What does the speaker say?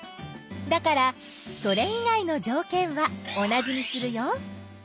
だからそれ以外のじょうけんは同じにするよ。